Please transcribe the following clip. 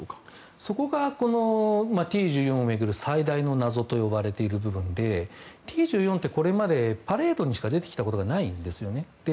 そこがＴ１４を巡る最大の謎と呼ばれている部分でＴ１４ってこれまでパレードにしか出てきたことがないんですよね。